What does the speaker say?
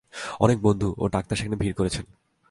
অনেক বন্ধু ও ডাক্তার সেখানে ভিড় করেছেন।